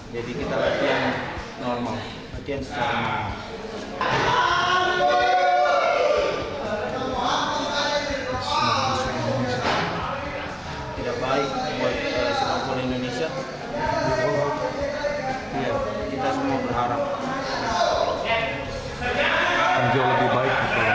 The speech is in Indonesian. jadi kita latihan normal latihan secara normal